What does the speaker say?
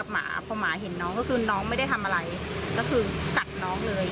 หมาพอหมาเห็นน้องก็คือน้องไม่ได้ทำอะไรก็คือกัดน้องเลย